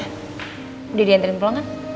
udah diantarin pulang kan